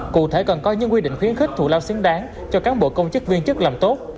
cụ thể cần có những quy định khuyến khích thủ lao xứng đáng cho cán bộ công chức viên chức làm tốt